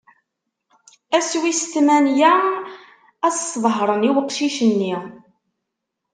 Ass wis tmanya, ad s-sḍehren i uqcic-nni.